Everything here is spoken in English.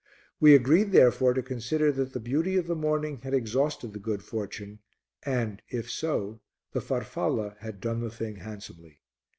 We agreed therefore to consider that the beauty of the morning had exhausted the good fortune and, if so, the farfalla had done the thing handsomely.